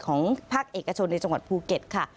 ของภาคเอกชนในจังหวัดภูเก็ตค่ะ